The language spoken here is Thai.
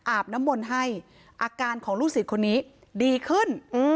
อาบน้ำมนต์ให้อาการของลูกศิษย์คนนี้ดีขึ้น